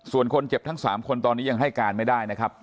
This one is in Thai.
ส่วนคนเจ็บทั้ง๓คนตอนนี้ยังให้การไม่ได้นะครับ